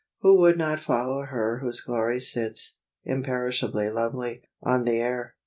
Who would not follow her whose glory sits, Imperishably lovely, on the air?